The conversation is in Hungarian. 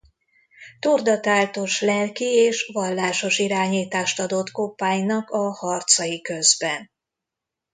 Torda táltos lelki és vallásos irányítást adott Koppánynak a harcai közben.